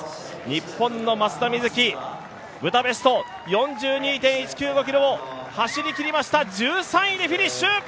日本の松田瑞生、ブダペスト４２．１９５ｋｍを走りきりました、１３位でフィニッシュ！